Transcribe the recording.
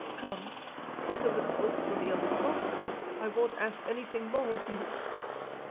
Come, take a little oath for me on the cross; I won't ask anything more of you.